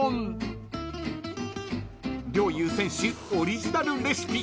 ［陵侑選手オリジナルレシピ］